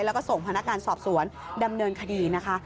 แล้วก็ส่งพนักงานสอบสวนดำเนินคดีนะคะ